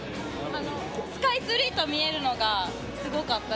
スカイツリーと見えるのがすごかった。